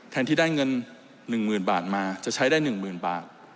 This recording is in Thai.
ที่ได้เงิน๑๐๐๐บาทมาจะใช้ได้๑๐๐๐บาท